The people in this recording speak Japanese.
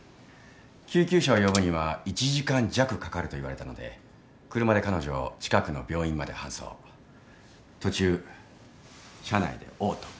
救急車を呼ぶには１時間弱かかると言われたので車で彼女を近くの病院まで搬送途中車内で嘔吐。